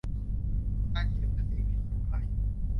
การเขียนเป็นสิ่งผิดกฎหมาย